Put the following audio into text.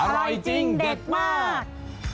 อร่อยจริงเด็ดมาก